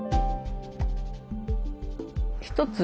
一つ